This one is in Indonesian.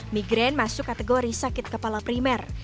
migraine masuk kategori sakit kepala primer